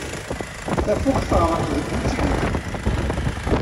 Tafukt teɣreq deg usigna.